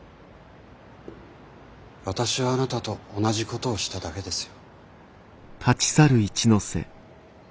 私はあなたと同じことをしただけですよ。